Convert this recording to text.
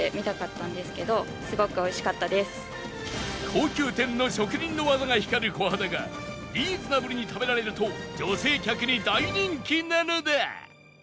高級店の職人の技が光る小肌がリーズナブルに食べられると女性客に大人気なのだ